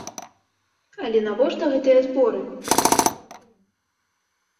Але навошта гэтыя зборы?